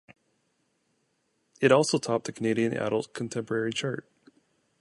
It also topped the Canadian Adult Contemporary chart.